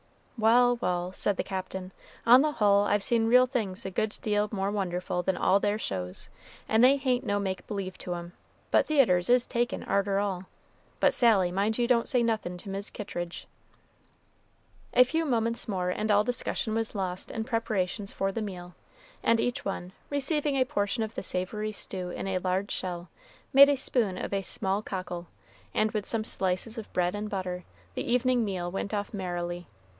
"Wal', wal'," said the Captain, "on the hull I've seen real things a good deal more wonderful than all their shows, and they hain't no make b'lieve to 'em; but theatres is takin' arter all. But, Sally, mind you don't say nothin' to Mis' Kittridge." A few moments more and all discussion was lost in preparations for the meal, and each one, receiving a portion of the savory stew in a large shell, made a spoon of a small cockle, and with some slices of bread and butter, the evening meal went off merrily.